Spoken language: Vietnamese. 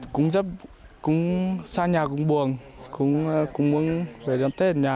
cũng rất cũng xa nhà cũng buồn cũng muốn về đón tết ở nhà